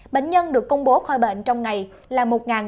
bệnh nhân được công bố khỏi bệnh trong ngày là một bảy trăm ba mươi một